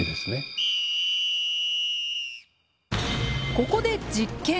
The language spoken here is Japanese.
ここで実験。